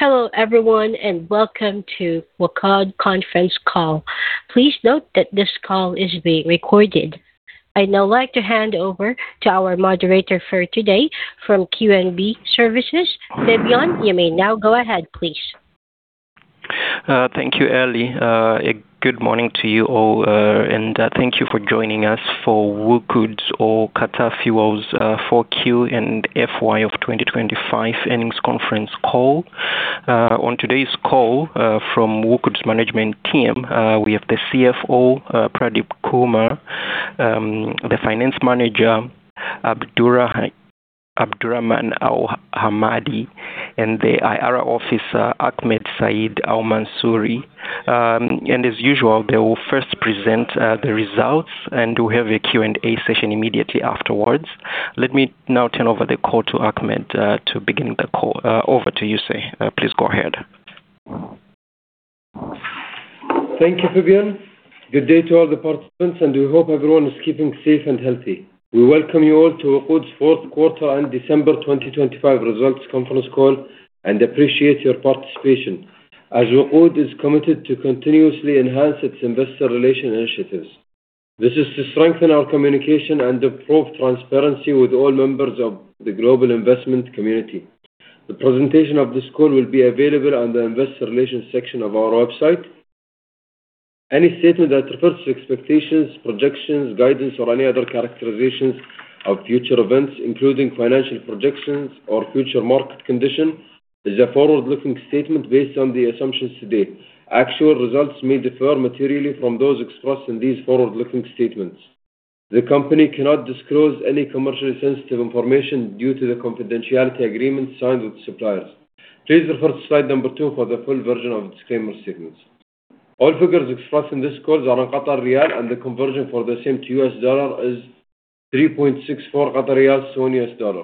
Hello everyone and welcome to WOQOD conference call. Please note that this call is being recorded. I'd now like to hand over to our moderator for today from QNB Services. Phibion, you may now go ahead, please. Thank you, Ellie. Good morning to you all and thank you for joining us for WOQOD's or Qatar Fuel's 4Q and FY of 2025 earnings conference call. On today's call from WOQOD's management team, we have the CFO, Pradeep Kumar, the Finance Manager, Abdulrahman Al-Hammadi, and the IR officer, Ahmed Saeed Al-Mansouri. As usual, they will first present the results, and we have a Q&A session immediately afterwards. Let me now turn over the call to Ahmed to begin the call. Over to you, sir. Please go ahead. Thank you, Phibion. Good day to all the participants, and we hope everyone is keeping safe and healthy. We welcome you all to WOQOD's fourth quarter and December 2025 results conference call and appreciate your participation. As WOQOD is committed to continuously enhance its investor relations initiatives, this is to strengthen our communication and improve transparency with all members of the global investment community. The presentation of this call will be available on the investor relations section of our website. Any statement that reflects expectations, projections, guidance, or any other characterizations of future events, including financial projections or future market conditions, is a forward-looking statement based on the assumptions today. Actual results may differ materially from those expressed in these forward-looking statements. The company cannot disclose any commercially sensitive information due to the confidentiality agreements signed with suppliers. Please refer to slide number two for the full version of disclaimer statements. All figures expressed in this call are in Qatar Riyal, and the conversion for the same to U.S. dollar is 3.64 riyal to $1.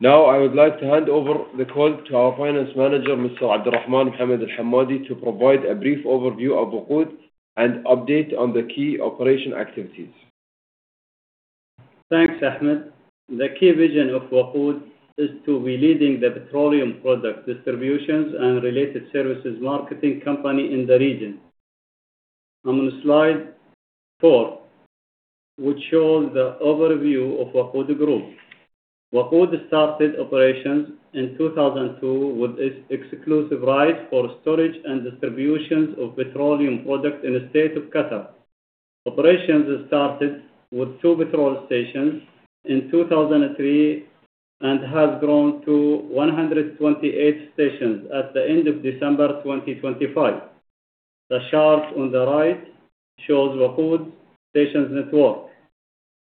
Now, I would like to hand over the call to our Finance Manager, Mr. Abdulrahman Mohammed Al-Hammadi, to provide a brief overview of WOQOD and update on the key operational activities. Thanks, Ahmed. The key vision of WOQOD is to be leading the petroleum product distributions and related services marketing company in the region. I'm on slide four, which shows the overview of WOQOD Group. WOQOD started operations in 2002 with its exclusive rights for storage and distributions of petroleum products in the state of Qatar. Operations started with two petrol stations in 2003 and has grown to 128 stations at the end of December 2025. The chart on the right shows WOQOD's stations network.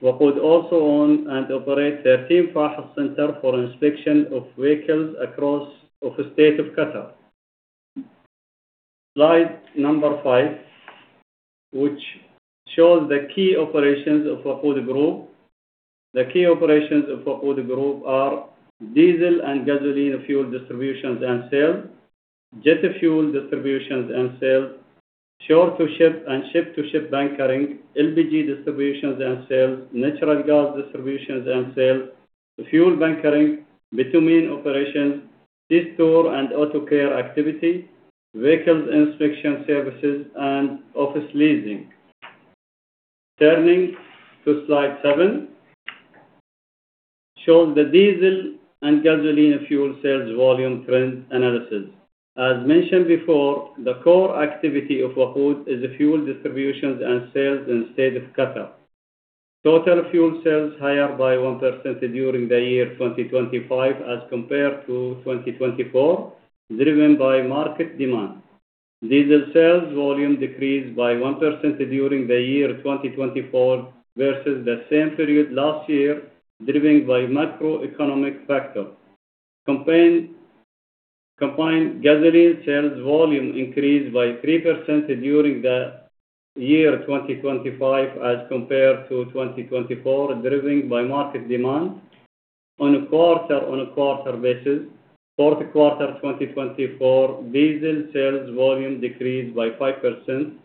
WOQOD also owns and operates 13 FAHES centers for inspection of vehicles across the state of Qatar. Slide number five, which shows the key operations of WOQOD Group. The key operations of WOQOD Group are diesel and gasoline fuel distributions and sales, jet fuel distributions and sales, shore-to-ship and ship-to-ship bunkering, LPG distributions and sales, natural gas distributions and sales, fuel bunkering, bitumen operations, SIDRA and Auto Care activity, vehicles inspection services, and office leasing. Turning to slide seven, shows the diesel and gasoline fuel sales volume trend analysis. As mentioned before, the core activity of WOQOD is fuel distributions and sales in the state of Qatar. Total fuel sales higher by 1% during the year 2025 as compared to 2024, driven by market demand. Diesel sales volume decreased by 1% during the year 2024 versus the same period last year, driven by macroeconomic factors. Combined gasoline sales volume increased by 3% during the year 2025 as compared to 2024, driven by market demand. On a quarter-on-a-quarter basis, fourth quarter 2024, diesel sales volume decreased by 5%.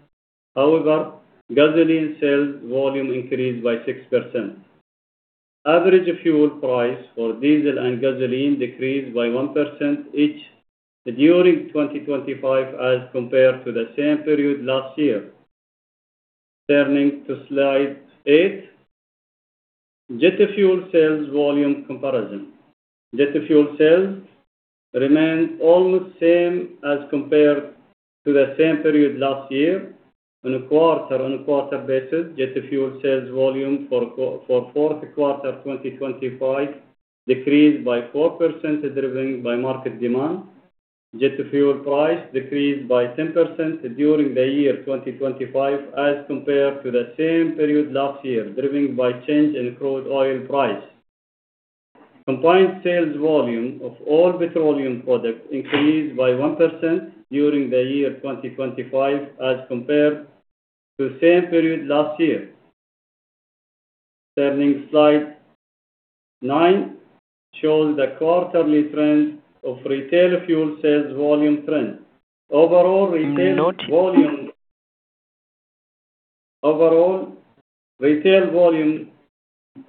However, gasoline sales volume increased by 6%. Average fuel price for diesel and gasoline decreased by 1% each during 2025 as compared to the same period last year. Turning to slide eight, jet fuel sales volume comparison. Jet fuel sales remained almost the same as compared to the same period last year. On a quarter-on-a-quarter basis, jet fuel sales volume for fourth quarter 2025 decreased by 4%, driven by market demand. Jet fuel price decreased by 10% during the year 2025 as compared to the same period last year, driven by change in crude oil price. Combined sales volume of all petroleum products increased by 1% during the year 2025 as compared to the same period last year. Turning to slide nine shows the quarterly trend of retail fuel sales volume trend. Overall retail volume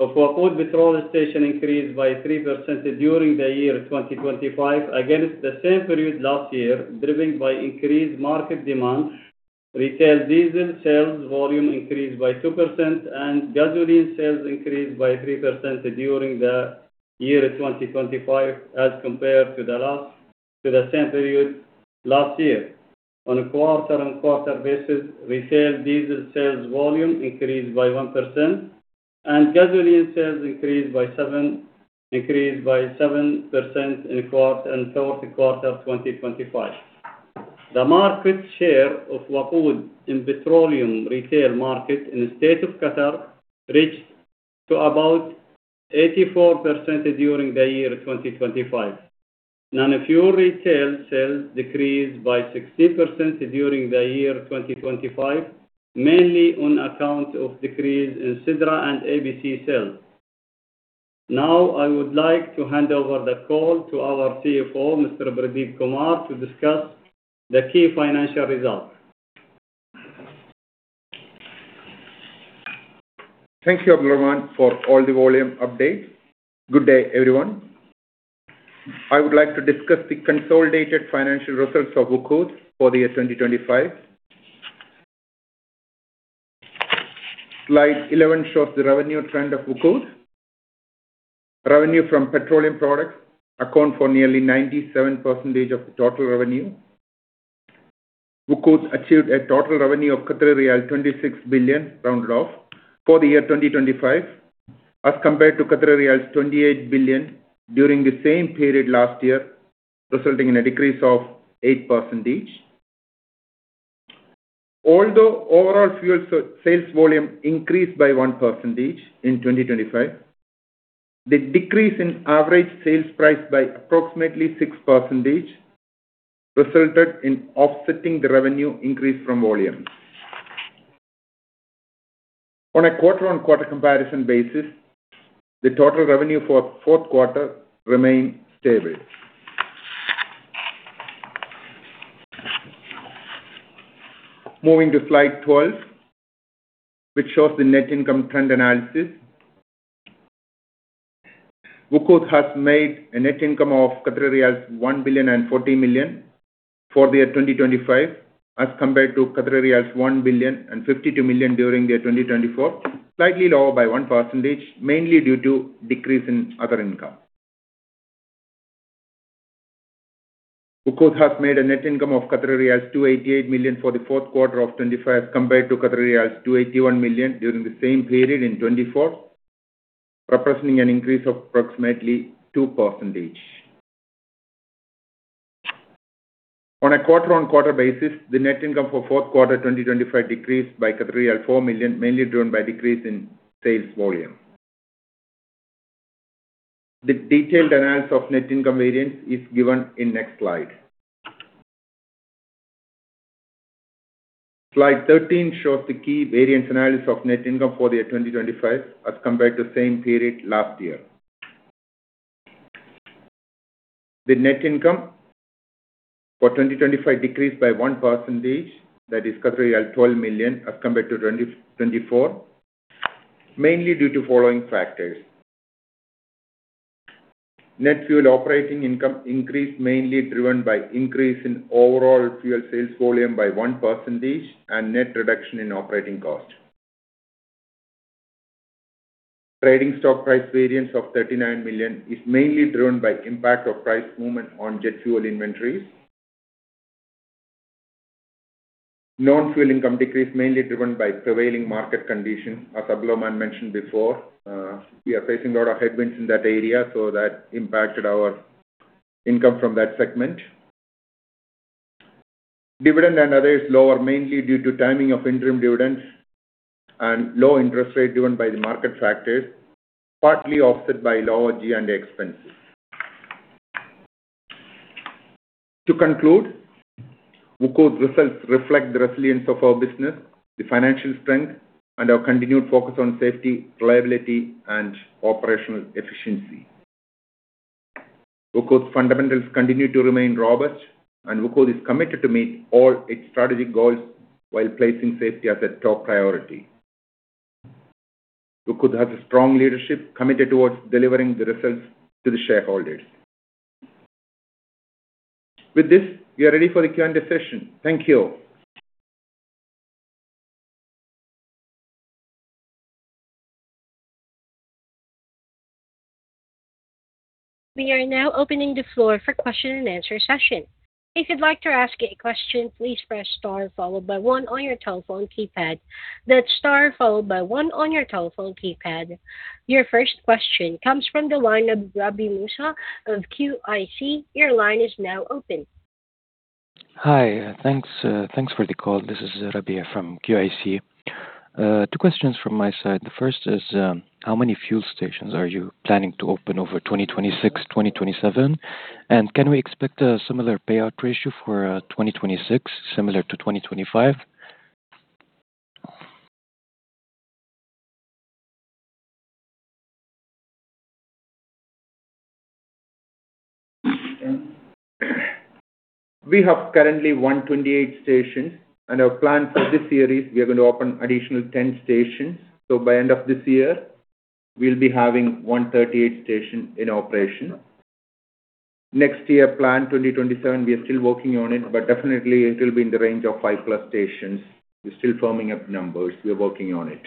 of WOQOD petrol station increased by 3% during the year 2025 against the same period last year, driven by increased market demand. Retail diesel sales volume increased by 2%, and gasoline sales increased by 3% during the year 2025 as compared to the same period last year. On a quarter-on-a-quarter basis, retail diesel sales volume increased by 1%, and gasoline sales increased by 7% in fourth quarter 2025. The market share of WOQOD in petroleum retail market in the state of Qatar reached to about 84% during the year 2025. Non-fuel retail sales decreased by 16% during the year 2025, mainly on account of decrease in SIDRA and ABC sales. Now, I would like to hand over the call to our CFO, Mr. Pradeep Kumar, to discuss the key financial results. Thank you, Abdulrahman, for all the volume updates. Good day, everyone. I would like to discuss the consolidated financial results of WOQOD for the year 2025. Slide 11 shows the revenue trend of WOQOD. Revenue from petroleum products accounts for nearly 97% of total revenue. WOQOD achieved a total revenue of 26 billion, rounded off, for the year 2025, as compared to 28 billion during the same period last year, resulting in a decrease of 8%. Although overall fuel sales volume increased by 1% in 2025, the decrease in average sales price by approximately 6% resulted in offsetting the revenue increase from volume. On a quarter-on-quarter comparison basis, the total revenue for fourth quarter remained stable. Moving to slide 12, which shows the net income trend analysis. WOQOD has made a net income of 1 billion and 40 million for the year 2025, as compared to 1 billion and 52 million during the year 2024, slightly lower by 1%, mainly due to decrease in other income. WOQOD has made a net income of 288 million for the fourth quarter of 2025, as compared to 281 million during the same period in 2024, representing an increase of approximately 2%. On a quarter-on-quarter basis, the net income for fourth quarter 2025 decreased by 4 million, mainly driven by decrease in sales volume. The detailed analysis of net income variance is given in the next slide. Slide 13 shows the key variance analysis of net income for the year 2025, as compared to the same period last year. The net income for 2025 decreased by 1%. That is 12 million as compared to 2024, mainly due to the following factors: net fuel operating income increase, mainly driven by increase in overall fuel sales volume by 1%, and net reduction in operating cost. Trading stock price variance of 39 million is mainly driven by the impact of price movement on jet fuel inventories. Non-fuel income decrease, mainly driven by prevailing market conditions, as Abdulrahman mentioned before. We are facing a lot of headwinds in that area, so that impacted our income from that segment. Dividend and others lower, mainly due to the timing of interim dividends and low interest rate driven by the market factors, partly offset by lower G&A expenses. To conclude, WOQOD's results reflect the resilience of our business, the financial strength, and our continued focus on safety, reliability, and operational efficiency. WOQOD's fundamentals continue to remain robust, and WOQOD is committed to meeting all its strategic goals while placing safety as a top priority. WOQOD has a strong leadership, committed towards delivering the results to the shareholders. With this, we are ready for the Q&A session. Thank you. We are now opening the floor for question-and-answer session. If you'd like to ask a question, please press star followed by one on your telephone keypad. That's star followed by one on your telephone keypad. Your first question comes from the line of Rami Mussa of QIC. Your line is now open. Hi, thanks for the call. This is Rami from QIC. Two questions from my side. The first is, how many fuel stations are you planning to open over 2026, 2027? And can we expect a similar payout ratio for 2026, similar to 2025? We have currently 128 stations, and our plan for this year is we are going to open an additional 10 stations, so by the end of this year, we'll be having 138 stations in operation. Next year plan, 2027, we are still working on it, but definitely it will be in the range of five plus stations. We're still firming up numbers. We are working on it.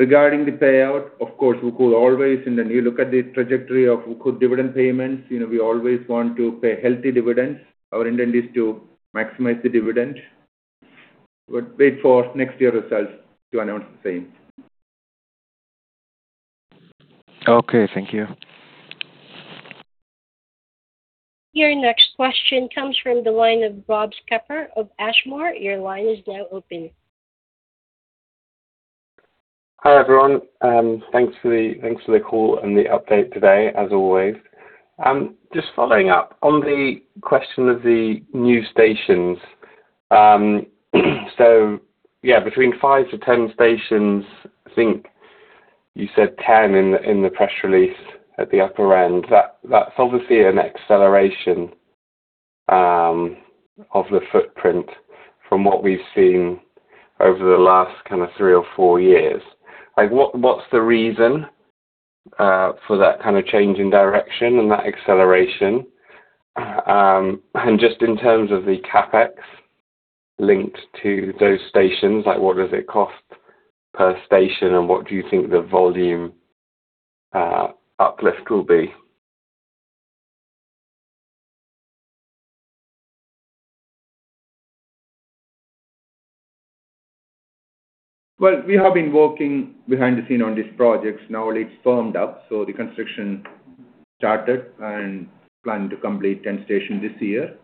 Regarding the payout, of course, WOQOD always, and you look at the trajectory of WOQOD dividend payments, we always want to pay healthy dividends. Our intent is to maximize the dividend, but wait for next year's results to announce the same. Okay, thank you. Your next question comes from the line of Rob Skepper of Ashmore. Your line is now open. Hi everyone. Thanks for the call and the update today, as always. Just following up on the question of the new stations. So yeah, between five to ten stations, I think you said ten in the press release at the upper end. That's obviously an acceleration of the footprint from what we've seen over the last kind of three or four years. What's the reason for that kind of change in direction and that acceleration? And just in terms of the CapEx linked to those stations, what does it cost per station, and what do you think the volume uplift will be? We have been working behind the scenes on these projects now. It's firmed up, so the construction started and planning to complete 10 stations this year.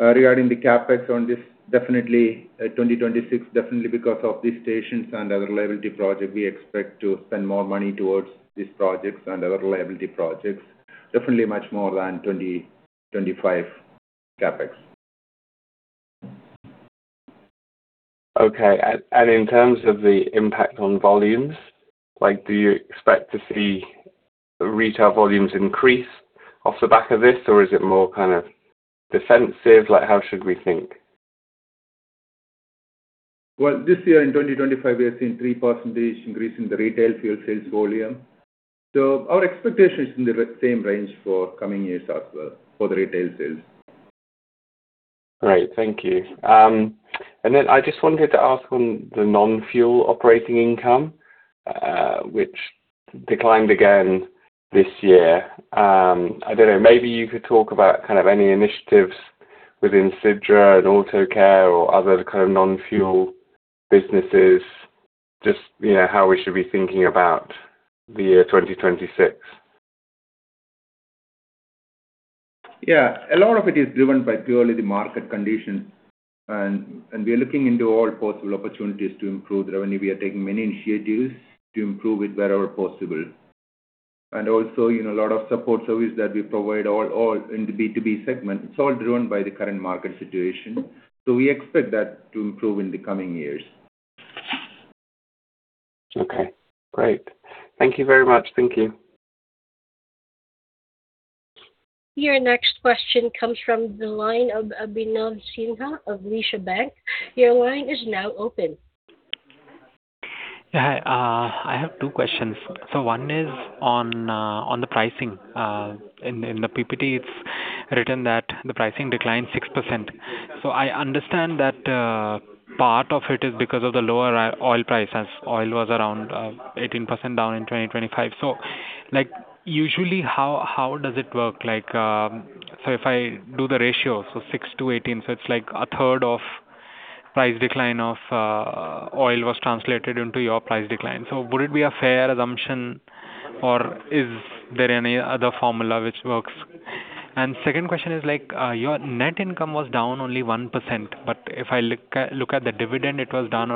Regarding the CapEx on this, definitely 2026, definitely because of these stations and other reliability projects, we expect to spend more money towards these projects and other reliability projects. Definitely much more than 2025 CapEx. Okay. And in terms of the impact on volumes, do you expect to see retail volumes increase off the back of this, or is it more kind of defensive? How should we think? This year in 2025, we have seen a 3% increase in the retail fuel sales volume. Our expectation is in the same range for coming years as well for the retail sales. Great. Thank you. And then I just wanted to ask on the non-fuel operating income, which declined again this year. I don't know, maybe you could talk about kind of any initiatives within SIDRA and Auto Care or other kind of non-fuel businesses, just how we should be thinking about the year 2026. Yeah, a lot of it is driven by purely the market conditions. And we are looking into all possible opportunities to improve the revenue. We are taking many initiatives to improve it wherever possible. And also, a lot of support services that we provide in the B2B segment, it's all driven by the current market situation. So we expect that to improve in the coming years. Okay. Great. Thank you very much. Thank you. Your next question comes from the line of Abhinav Sinha of Lesha Bank. Your line is now open. Yeah, I have two questions. So one is on the pricing. In the PPT, it's written that the pricing declined 6%. So I understand that part of it is because of the lower oil price, as oil was around 18% down in 2025. So usually, how does it work? So if I do the ratio, so 6-8, so it's like 1/3 of the price decline of oil was translated into your price decline. So would it be a fair assumption, or is there any other formula which works? And the second question is, your net income was down only one%, but if I look at the dividend, it was down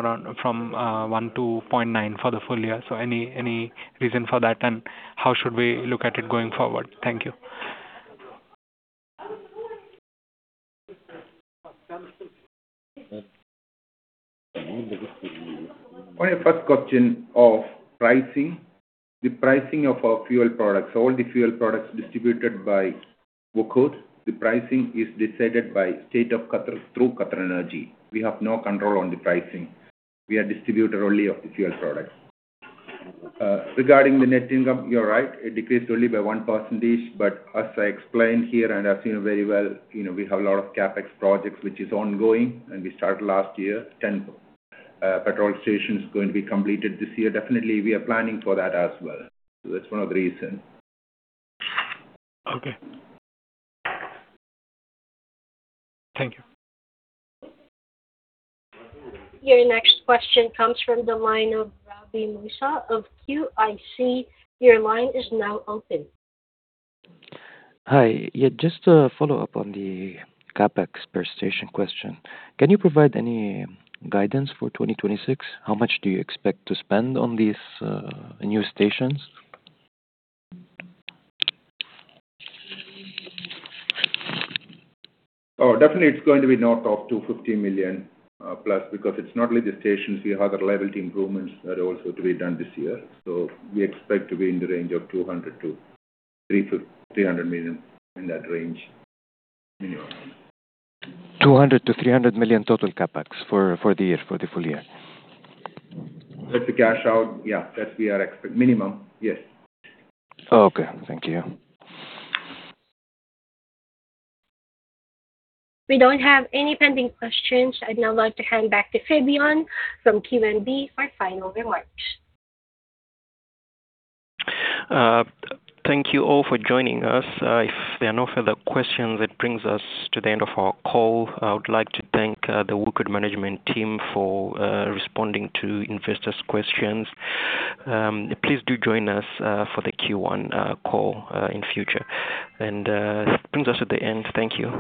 from 1-0.9 for the full year. So any reason for that, and how should we look at it going forward? Thank you. My first question of pricing, the pricing of our fuel products, all the fuel products distributed by WOQOD, the pricing is decided by the State of Qatar through QatarEnergy. We have no control on the pricing. We are distributors only of the fuel products. Regarding the net income, you're right, it decreased only by 1%, but as I explained here and as you know very well, we have a lot of CapEx projects which are ongoing, and we started last year. 10 petrol stations are going to be completed this year. Definitely, we are planning for that as well. So that's one of the reasons. Okay. Thank you. Your next question comes from the line of Rami Mussa of QIC. Your line is now open. Hi. Yeah, just to follow up on the CapEx per station question. Can you provide any guidance for 2026? How much do you expect to spend on these new stations? Oh, definitely, it's going to be north of 250 million plus because it's not only the stations. We have other reliability improvements that also need to be done this year. So we expect to be in the range of 200 million-300 million in that range, minimum. 200 million-300 million total CapEx for the year, for the full year. That's the cash out, yeah, that we are expecting, minimum, yes. Oh, okay. Thank you. We don't have any pending questions. I'd now like to hand back to Phibion from QNB for final remarks. Thank you all for joining us. If there are no further questions, it brings us to the end of our call. I would like to thank the WOQOD management team for responding to investors' questions. Please do join us for the Q1 call in the future, and that brings us to the end. Thank you.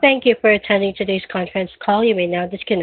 Thank you for attending today's conference call. You may now disconnect.